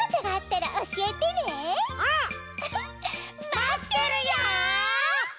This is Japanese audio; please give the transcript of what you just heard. まってるよ！